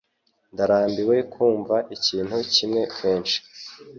Ndarambiwe kumva ikintu kimwe kenshi